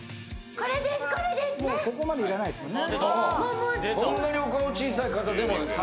ここまで要らないですもんね。